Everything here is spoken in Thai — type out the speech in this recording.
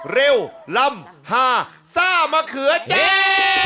เร็วลำพาซ่ามะเขือเจ๊